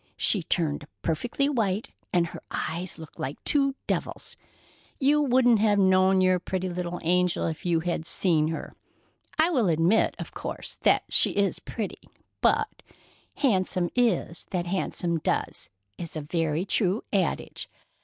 She turned perfectly white, and her eyes looked like two devils. You wouldn't have known your pretty little angel if you had seen her. I will admit, of course, that she is pretty, but 'handsome is that handsome does' is a very true adage.